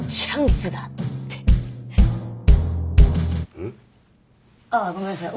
うん？ああごめんなさい。